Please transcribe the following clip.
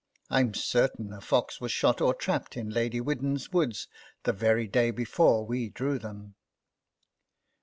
Tm certain a fox was shot or trapped in Lady Widden's woods the very day before we drew them."